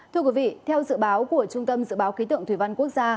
thưa quý vị theo dự báo của trung tâm dự báo khí tượng thủy văn quốc gia